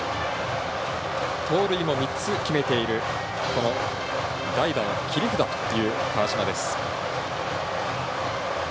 盗塁も３つ決めている代打の切り札という川島です。